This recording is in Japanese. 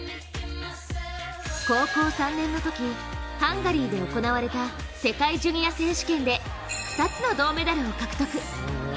高校３年のときハンガリーで行われた世界ジュニア選手権で２つの銅メダルを獲得。